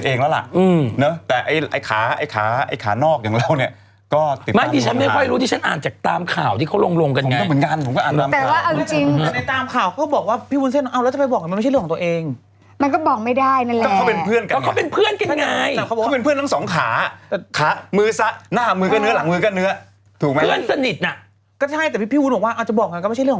เป็นเรื่องที่ของเขาที่เราต้องไปคุยกันเองแล้ว